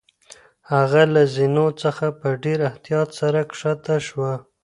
هغه له زینو څخه په ډېر احتیاط سره کښته شوه.